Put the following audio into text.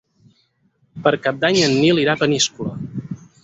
Per Cap d'Any en Nil irà a Peníscola.